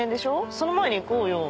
その前に行こうよ。